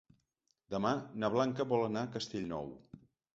Demà na Blanca vol anar a Castellnou.